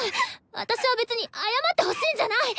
私は別に謝ってほしいんじゃない！